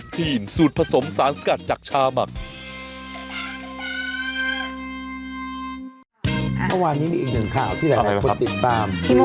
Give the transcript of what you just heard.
ที่หลายคนติดตามที่เมื่อวานเราเปิดกันไว้ตอนแรกรายการ